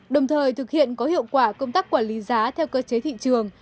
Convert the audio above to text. đồng thời thực hiện có hiệu quả công tác quản lý giá theo cơ chế thị trường